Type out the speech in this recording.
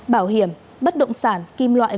bảo hiểm bất động sản kim loại